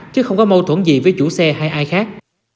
chứ không có mâu thuẫn gì với chủ xe hay ai khác